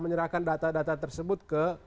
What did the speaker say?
menyerahkan data data tersebut ke